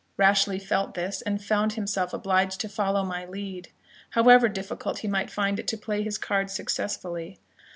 Rashleigh felt this, and found himself obliged to follow my lead, however difficult he might find it to play his cards successfully.